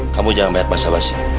kamu jangan banyak bahasa basi